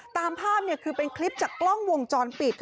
ตามภาพคือเป็นคลิปจากกล้องวงจรปิด